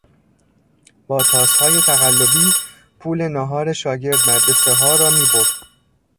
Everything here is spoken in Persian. با تاسهای تقلبی پول ناهار شاگرد مدرسهها را میبرد.